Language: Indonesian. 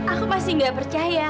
aku masih gak percaya